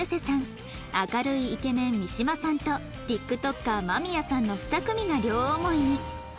明るいイケメン三島さんと ＴｉｋＴｏｋｅｒ 間宮さんの２組が両思いに